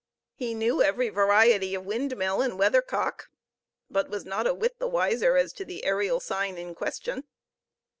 He knew ever variety of windmill and weathercock, but was not a whit the wiser as to the aerial sign in question.